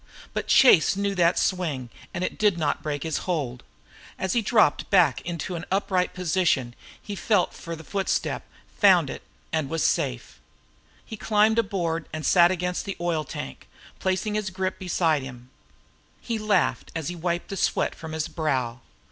But Chase knew that swing, and it did not break his hold. As he dropped back to an upright position he felt for the foot step, found it, and was safe. He climbed aboard and sat against the oil tank, placing his grip beside him. He laughed as he wiped the sweat from his brow.